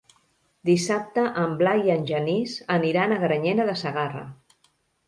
Dissabte en Blai i en Genís aniran a Granyena de Segarra.